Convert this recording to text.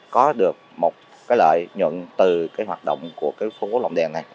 có được một cái lợi nhuận từ cái hoạt động của cái phố lòng đèn này